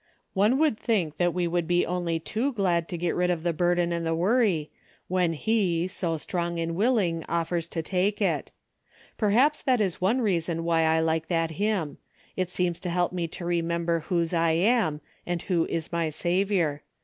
''One would think that we would be only too glad to get rid of the 264 DAILY EATEA* burden and the worry, when he, so strong and willing offers to take it. Perhaps that is one reason why I like that hymn. It seems to help me to remember whose I am and who is my Saviour.